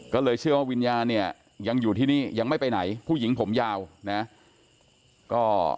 ก็เลยเชื่อว่าวิญญาณเนี่ยยังอยู่ที่นี่ยังไม่ไปไหนผู้หญิงผมยาวนะ